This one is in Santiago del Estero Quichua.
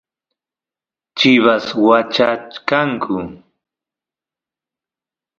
chivas wachachkanku